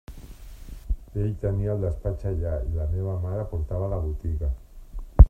Ell tenia el despatx allà i la meva mare portava la botiga.